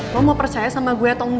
lo mau percaya sama gue atau engga